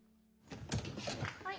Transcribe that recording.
はい。